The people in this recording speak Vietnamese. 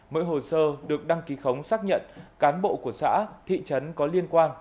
mỗi hồ sơ được đăng ký khống xác nhận cán bộ của xã thị trấn có liên quan